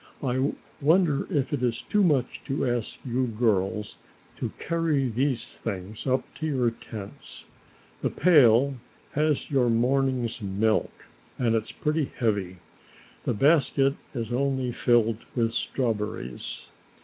"I wonder if it is too much to ask you girls to carry these things up to your tents; the pail has your morning's milk and is pretty heavy; the basket is only filled with strawberries.